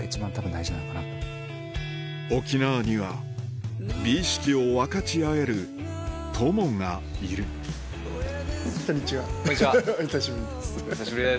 沖縄には美意識を分かち合える友がいるこんにちはお久しぶりです。